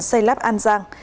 xây lắp an giang